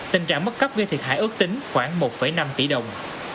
tình trạng mất cấp gây thiệt hại ước tính khoảng một năm tỷ đồng